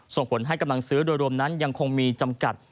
ส่งผลให้กำลังซื้อโดยรวมนั้นยังคงมีจำกัด